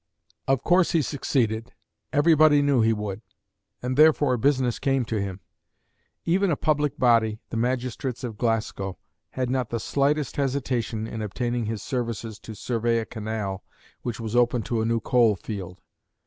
Of course he succeeded. Everybody knew he would, and therefore business came to him. Even a public body, the magistrates of Glasgow, had not the slightest hesitation in obtaining his services to survey a canal which was to open a new coal field.